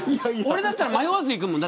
俺だったら迷わず行くもん。